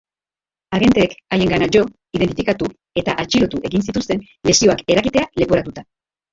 Agenteek haiengana jo, identifikatu eta atxilotu egin zituzten, lesioak eragitea leporatuta.